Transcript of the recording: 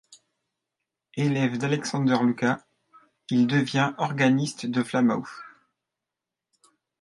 Élève d'Alexander Lucas, il devient organiste à Falmouth.